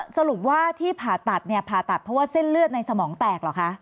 สรุปว่าที่พาตัดพาตัดเพราะว่าเส้นเลือดในสมองแตกหรอค่ะ